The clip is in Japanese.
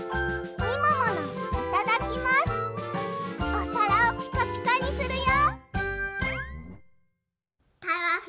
おさらをピカピカにするよ！